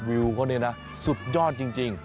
โอ้โหยอดวิวเขาเนี่ยนะสุดยอดจริง